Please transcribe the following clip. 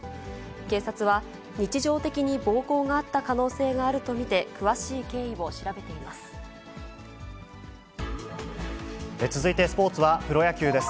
警察は、日常的に暴行があった可能性があると見て、詳しい経緯を調べてい続いてスポーツは、プロ野球です。